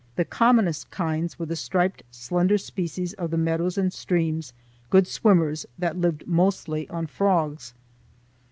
The commonest kinds were the striped slender species of the meadows and streams, good swimmers, that lived mostly on frogs.